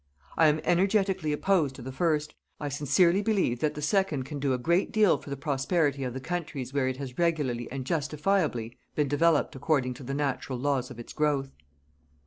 I am energetically opposed to the first. I sincerely believe that the second can do a great deal for the prosperity of the countries where it has regularly and justifiably been developed according to the natural laws of its growth.